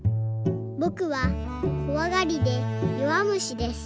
「ぼくはこわがりでよわむしです。